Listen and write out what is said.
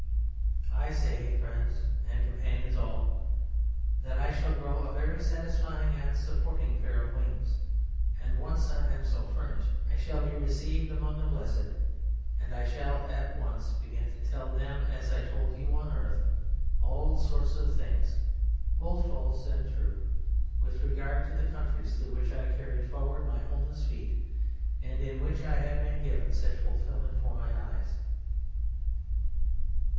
I say, friends and companions all, that I shall grow a very satisfying and supporting pair of wings, and once I am so furnished I shall be received among the Blessed, and I shall at once begin to tell them, as I told you on earth, all sorts of things, both false and true, with regard to the countries through which I carried forward my homeless feet, and in which I have been given such fulfilment for my eyes."